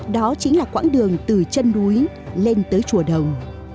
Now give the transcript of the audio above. đó chính là quãng đường từ chân núi lên tới chùa đồng